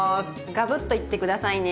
ガブッといって下さいね！